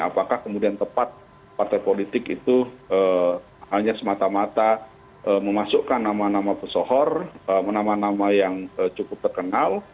apakah kemudian tepat partai politik itu hanya semata mata memasukkan nama nama pesohor nama nama yang cukup terkenal